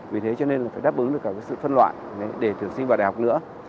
vì thế cho nên là phải đáp ứng được cả sự phân loại để tuyển sinh vào đại học nữa